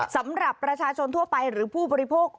สำหรับประชาชนทั่วไปหรือผู้บริโภค